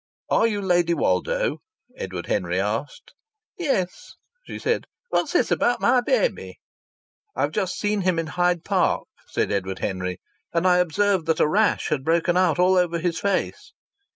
"Are you Lady Woldo?" Edward Henry asked. "Yes," she said. "What's this about my baby?" "I've just seen him in Hyde Park," said Edward Henry. "And I observed that a rash had broken out all over his face."